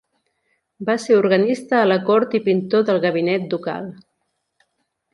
Va ser organista a la cort i pintor del gabinet ducal.